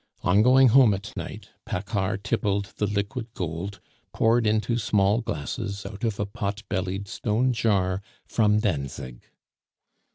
On going home at night, Paccard tippled the liquid gold poured into small glasses out of a pot bellied stone jar from Danzig.